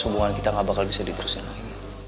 hubungan kita gak bakal bisa diterusin lagi